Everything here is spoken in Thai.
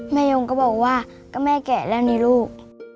ยงก็บอกว่าก็แม่แก่แล้วนี่ลูก